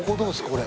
これ。